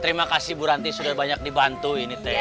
terima kasih bu ranti sudah banyak dibantu ini teh